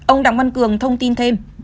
ông đảng văn cường thông tin thêm